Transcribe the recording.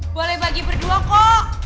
boleh bagi berdua kok